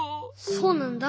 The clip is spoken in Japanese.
そうなんだ。